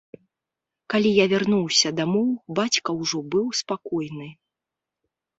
Калі я вярнуўся дамоў, бацька ўжо быў спакойны.